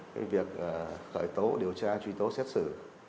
cái việc khởi tố điều tra truy tố xét xử